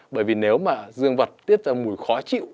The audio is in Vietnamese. bởi vì nếu mà dương vật tiết ra mùi khó chịu